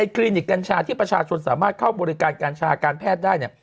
คลินิกกัญชาที่ประชาชนสามารถเข้าบริการกัญชาการแพทย์ได้เนี่ย